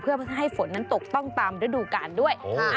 เพื่อให้ฝนนั้นตกต้องตามฤดูกาลด้วย